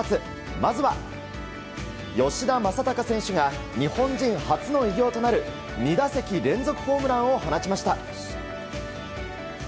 まずは吉田正尚選手が日本人初の偉業となる２打席連続ホームランを放ちました。